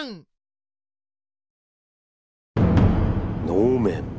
能面